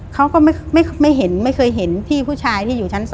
เขาก็ไม่เห็นไม่เคยเห็นพี่ผู้ชายที่อยู่ชั้น๒